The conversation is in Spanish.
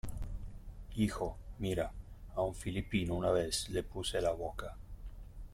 hijo, mira , a un filipino una vez , le puse la boca...